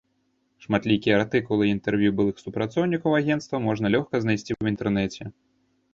Шматлікія артыкулы і інтэрв'ю былых супрацоўнікаў агенцтва можна лёгка знайсці ў інтэрнэце.